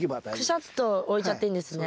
くしゃっと置いちゃっていいんですね。